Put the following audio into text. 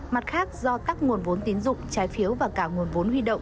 mặt khác do các nguồn vốn tín dụng trái phiếu và cả nguồn vốn huy động